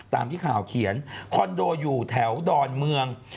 ตามที่ข่าวเขียนคอนโดอยู่แถวดอนเมือง